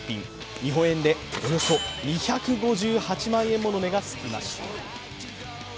日本円でおよそ２５８万円もの値がつきました。